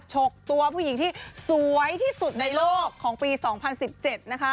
ชกตัวผู้หญิงที่สวยที่สุดในโลกของปีสองพันสิบเจ็ดนะคะ